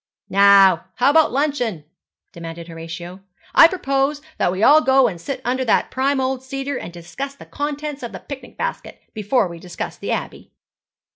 'Now, how about luncheon?' demanded Horatio. 'I propose that we all go and sit under that prime old cedar and discuss the contents of the picnic basket before we discuss the Abbey.'